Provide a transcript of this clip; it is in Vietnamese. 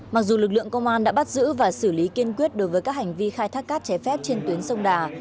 mặc dù lực lượng công an đã bắt giữ và xử lý kiên quyết đối với các hành vi khai thác cát trái phép trên tuyến sông đà